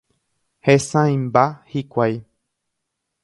Hesãimba hikuái.